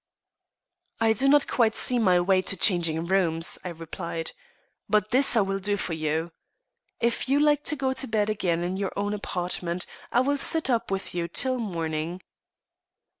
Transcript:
"I do not quite see my way to changing rooms," I replied; "but this I will do for you. If you like to go to bed again in your own apartment, I will sit up with you till morning."